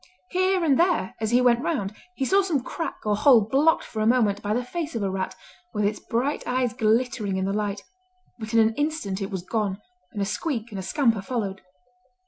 Here and there as he went round he saw some crack or hole blocked for a moment by the face of a rat with its bright eyes glittering in the light, but in an instant it was gone, and a squeak and a scamper followed.